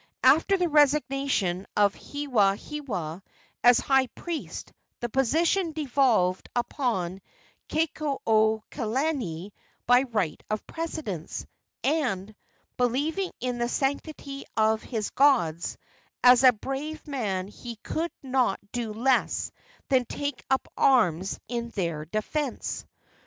After the resignation of Hewahewa as high priest the position devolved upon Kekuaokalani by right of precedence, and, believing in the sanctity of his gods, as a brave man he could not do less than take up arms in their defence.